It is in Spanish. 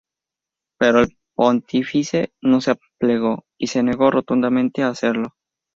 Pero el pontífice no se plegó y se negó rotundamente a hacerlo.